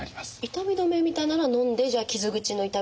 痛み止めみたいなのはのんでじゃあ傷口の痛みなんかは。